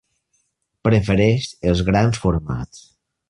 Prefereix els grans formats.